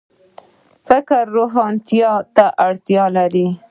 فکر روښانتیا ته اړتیا لري